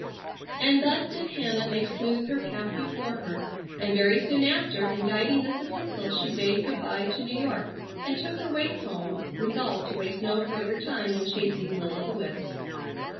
And thus did Hannah make smooth her path before her, and very soon after inditing this epistle she bade good bye to New York and took her way home resolved to waste no further time in chasing will o the wisps.